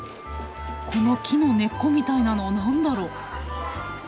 この木の根っこみたいなの何だろ。